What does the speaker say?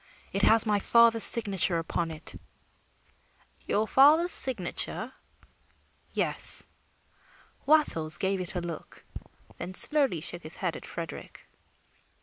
"It has my father's signature upon it." "Your father's signature?" "Yes." Wattles gave it a look, then slowly shook his head at Frederick.